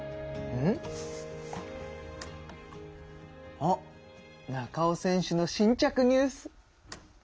あっナカオ選手の新着ニュース！